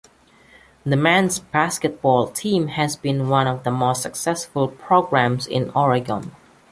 The men's basketball team has been one of the most successful programs in Oregon.